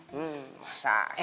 hmm masa sih